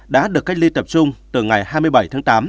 đã được cây ly tập trung từ ngày hai mươi bảy tám